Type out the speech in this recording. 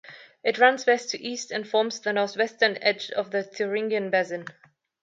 It runs west to east, and forms the northwestern edge of the Thuringian Basin.